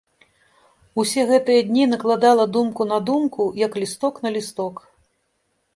Усе гэтыя дні накладала думку на думку, як лісток на лісток.